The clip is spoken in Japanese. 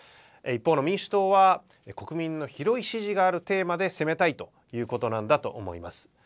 一方の民主党は国民の広い支持があるテーマで攻めたいということなんだと思います。